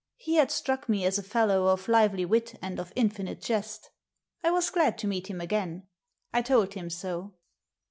He had struck me as a fellow of lively wit and of infinite jest I was glad to meet him again. I told him so.